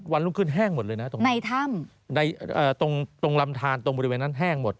วันรุ่งขึ้นแห้งหมดเลยนะตรงรำทานบริเวณนั้นแห้งหมดในท่ำ